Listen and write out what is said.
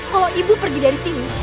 kalau ibu pergi dari sini